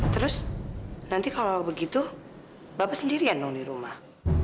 terus nanti kalau begitu bapak sendirian dong di rumah